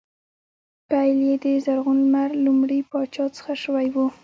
پیل یې د زرغون لمر لومړي پاچا څخه شوی و